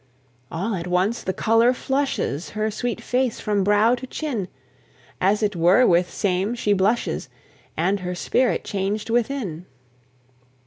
All at once the colour flushes Her sweet face from brow to chin; As it were with same she blushes, And her spirit changed within.